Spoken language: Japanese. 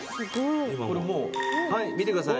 これもうはい見てください。